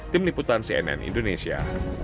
tim liputan cnn indonesia